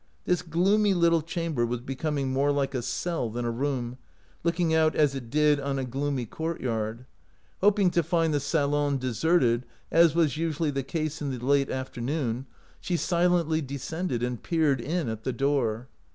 This gloomy little chamber was becoming more like a cell than a room, looking out as it did on a gloomy courtyard. Hoping to 128 OUT OF BOHEMIA find the salon deserted, as was usually the case in the late afternoon, she silently de scended and peered in at the door.